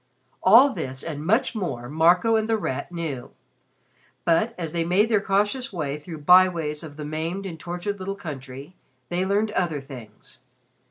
All this and much more Marco and The Rat knew, but, as they made their cautious way through byways of the maimed and tortured little country, they learned other things.